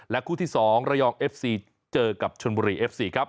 คู่ที่๒ระยองเอฟซีเจอกับชนบุรีเอฟซีครับ